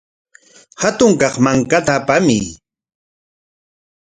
Hatun kaq mankata apamuy.